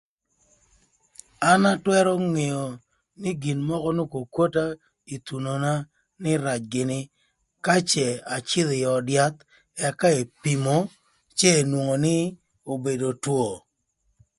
An atwërö ngeo nï gin mökö n'okwokwota ï thunona nï rac gïnï ka cë acïdhö ï öd yath ëka epimo cë enwongo nï obedo two.